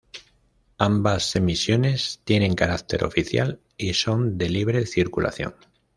Ambas emisiones tienen carácter oficial y son de libre circulación.